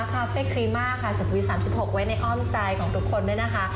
คาเฟ่ครีม่าค่ะศึกวี๓๖ไว้ในอ้อมใจของทุกคนด้วยนะคะ